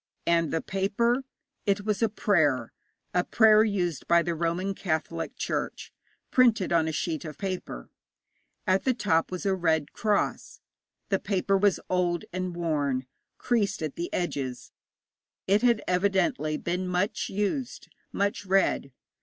And the paper? It was a prayer a prayer used by the Roman Catholic Church, printed on a sheet of paper. At the top was a red cross. The paper was old and worn, creased at the edges; it had evidently been much used, much read.